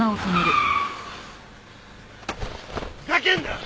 ふざけんな！